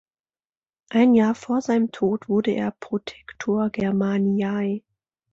Ein Jahr vor seinem Tod wurde er „Protector Germaniae“.